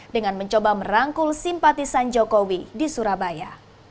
dengan mencoba merangkul simpatisan jokowi di surabaya